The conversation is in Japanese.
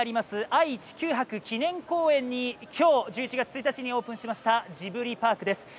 愛・地球博記念公園に今日１１月１日にオープンしましたジブリパークです